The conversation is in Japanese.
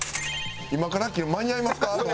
今から切る間に合いますか？